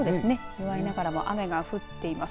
弱いながらも雨が降っています。